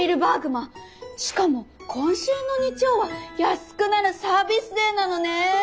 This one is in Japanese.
しかも今週の日曜は安くなるサービスデーなのね。